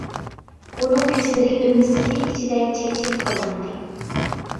ئۇنىڭ كۆزلىرى ئۈمىدسىزلىك ئىچىدە چەكچىيىپ قالغانىدى.